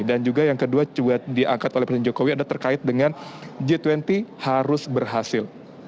dan juga yang kedua juga diangkat oleh presiden jokowi adalah terkait dengan g dua puluh harus berhasil